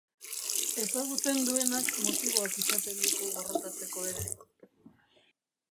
Ezagutzen duenak motiboak izaten ditu gorrotatzeko ere.